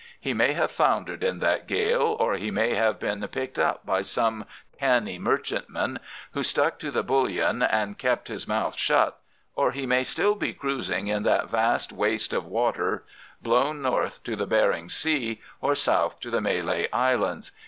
He may have foundered in that gale, or he may have been picked up by some canny merchantman, who stuck to the bullion and kept his mouth shut, or he may still be cruising in that vast waste of waters, blown north to the Behring Sea, or south to the Malay Islands.